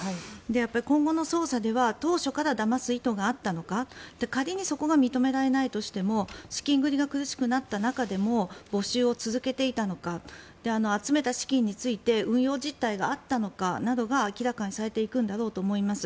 今後の捜査では当初からだます意図があったのか仮にそこが認められないとしても資金繰りが苦しくなった中でも募集を続けていたのか集めた資金について運用実態があったのかなどが明らかにされていくんだろうと思います。